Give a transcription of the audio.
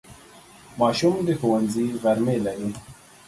ماشوم د ښوونځي غرمې لري.